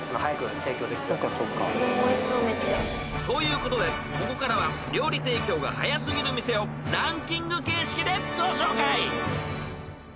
［ということでここからは料理提供がはや過ぎる店をランキング形式でご紹介］